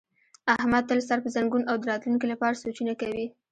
احمد تل سر په زنګون او د راتونکي لپاره سوچونه کوي.